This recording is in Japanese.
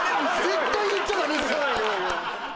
絶対言っちゃダメっすよ！